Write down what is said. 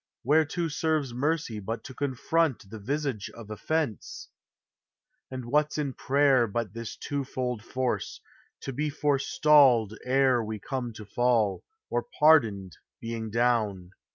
Whereto serves mercy But to confront the visage of offence? And what 's in prayer but this twofold force, To be forestalled ere we come to fall. Or pardoned being down?